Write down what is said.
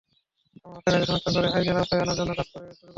আমরা হত্যাকারীদের শনাক্ত করে আইনের আওতায় আনার জন্য কাজ শুরু করেছি।